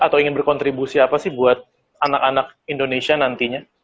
atau ingin berkontribusi apa sih buat anak anak indonesia nantinya